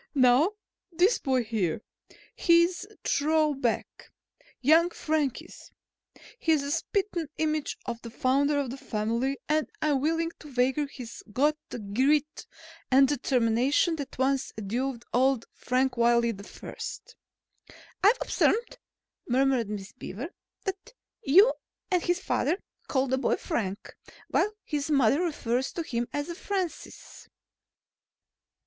"Now, this boy here, he's a throw back, young Frank is. He's the spittin' image of the founder of the family and I'm willing to wager he's got the grit and determination that once endowed old Frank Wiley I." "I've observed," murmured Miss Beaver, "that you and his father call the boy Frank, while his mother refers to him as Francis."